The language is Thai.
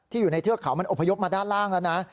อยู่ในเทือกเขามันอพยพมาด้านล่างแล้วนะ